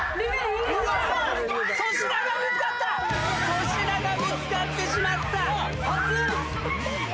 粗品が見つかってしまった。